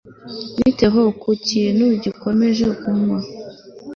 Bite ho ku kintu gikonje kunywa